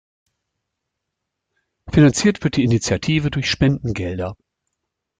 Finanziert wird die Initiative durch Spendengelder.